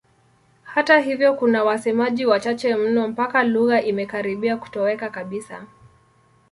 Hata hivyo kuna wasemaji wachache mno mpaka lugha imekaribia kutoweka kabisa.